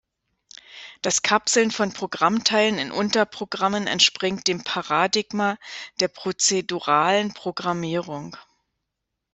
Das Kapseln von Programmteilen in Unterprogrammen entspringt dem Paradigma der prozeduralen Programmierung.